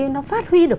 nó phát huy được